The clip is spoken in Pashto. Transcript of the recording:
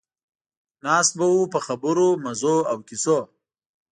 ناست به وو په خبرو، مزو او کیسو.